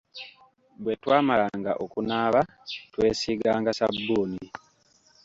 Bwe twamalanga okunaaba twesiiganga ssabbuuni.